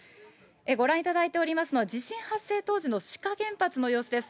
ご覧いただいておりますのは地震発生当時の志賀原発の様子です。